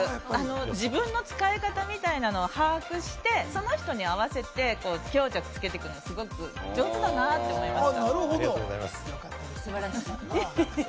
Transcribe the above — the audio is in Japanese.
自分の使い方みたいなのを把握して、その人に合わせて、強弱をつけていく、上手だなと思いました。